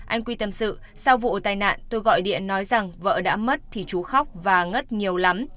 anh quy tâm sự sau vụ tai nạn tôi gọi điện nói rằng vợ đã mất thì chú khóc và ngất nhiều lắm